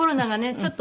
ちょっと